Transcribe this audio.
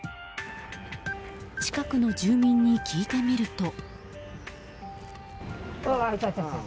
近くの住民に聞いてみると。